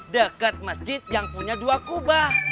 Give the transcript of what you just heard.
dekat masjid yang punya dua kubah